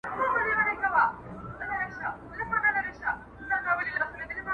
چي دي شراب، له خپل نعمته ناروا بلله.